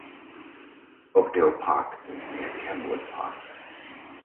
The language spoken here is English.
Oakdale Park is near Kenwood Park.